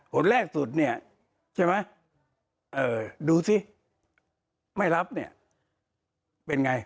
ผลแรกสุดเนี่ยใช่ไหมดูสิไม่รับเนี่ยเป็นไง